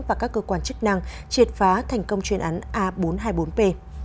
và các cơ quan chức năng triệt phá thành công chuyên án a bốn trăm hai mươi bốn p